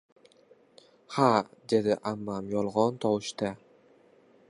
— Ha? — dedi ammam yo‘g‘on tovushda.